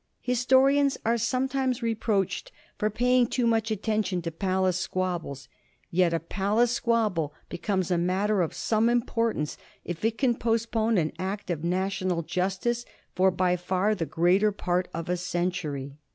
Historians arc some times reproached for paying too much attention to palace squabbles; yet ft palace squabble becomes a matter of some importance if it can postpone an act of national justice for by far the greater part of a century.